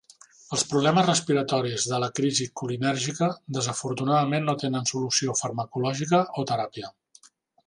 Els problemes respiratoris de la crisi colinèrgica desafortunadament no tenen solució farmacològica o teràpia.